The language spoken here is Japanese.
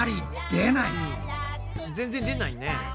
全然出ないね。